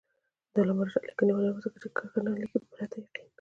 د علامه رشاد لیکنی هنر مهم دی ځکه چې کرښه نه لیکي پرته یقین.